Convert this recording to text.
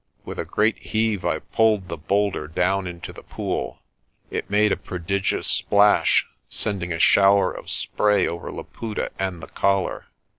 With a great heave I pulled the boulder down into the pool. It made a prodigious splash, sending a shower of spray over Laputa and the Collar.